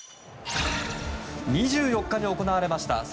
２４日に行われました